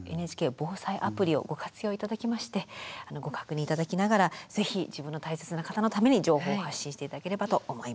ＮＨＫ防災アプリをご活用頂きましてご確認頂きながらぜひ自分の大切な方のために情報を発信して頂ければと思います。